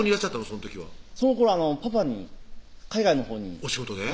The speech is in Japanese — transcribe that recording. その時はそのころパプアに海外のほうにお仕事で？